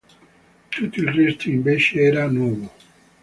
Tutto il resto invece, era nuovo.